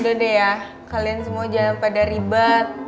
udah deh ya kalian semua jangan pada ribet